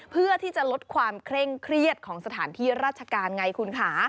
เพื่อที่จะลดความเคร่งเครียดของสถานที่ราชการไงคุณค่ะ